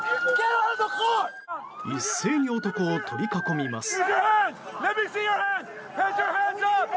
一斉に男を取り囲みます。